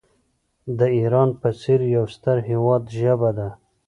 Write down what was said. د ایران په څېر یو ستر هیواد ژبه ده.